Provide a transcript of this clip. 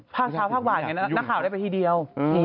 ภาคเช้าภาคบ่ายอย่างนี้นักข่าวได้ไปทีเดียว